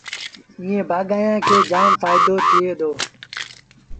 ائيٚݩ بآگآيآݩ کي جآم ڦآئيدو ٿئي دو۔